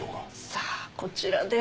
さあこちらでは。